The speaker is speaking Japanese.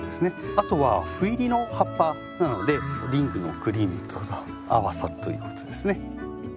あとは斑入りの葉っぱなのでリングのクリームと合わさるということですね。